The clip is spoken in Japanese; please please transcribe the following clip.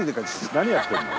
何やってんの？